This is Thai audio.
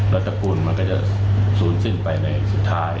แล้วตระกูลมันก็จะศูนย์สิ้นไปในสุดท้าย